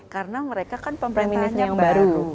karena mereka kan pemerintahnya baru